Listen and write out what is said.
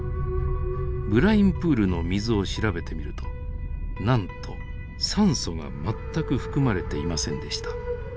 ブラインプールの水を調べてみるとなんと酸素が全く含まれていませんでした。